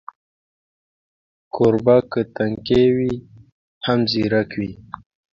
کوربه که تنکی وي، هم ځیرک وي.